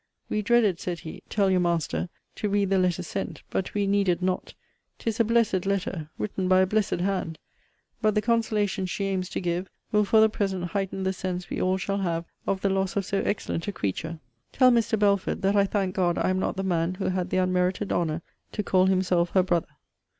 We dreaded, said he, (tell your master,) to read the letter sent but we needed not 'tis a blessed letter! written by a blessed hand! But the consolation she aims to give, will for the present heighten the sense we all shall have of the loss of so excellent a creature! Tell Mr. Belford, that I thank God I am not the man who had the unmerited honour to call himself her brother.